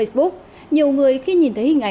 tuy nhiên một mươi người trúng giải